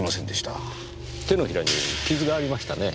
手のひらに傷がありましたね？